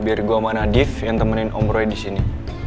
biar gue sama nadif yang temenin om roy disini